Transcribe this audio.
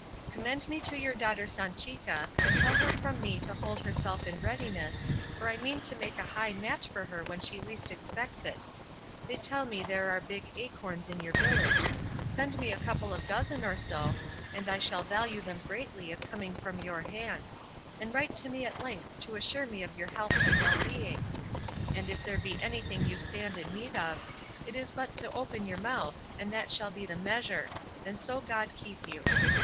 Commend me to your daughter Sanchica, and tell her from me to hold herself in readiness, for I mean to make a high match for her when she least expects it. They tell me there are big acorns in your village; send me a couple of dozen or so, and I shall value them greatly as coming from your hand; and write to me at length to assure me of your health and well being; and if there be anything you stand in need of, it is but to open your mouth, and that shall be the measure; and so God keep you.